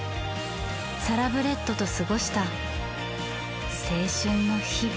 サラブレッドと過ごした青春の日々。